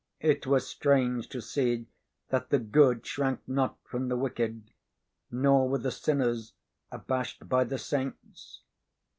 It was strange to see that the good shrank not from the wicked, nor were the sinners abashed by the saints.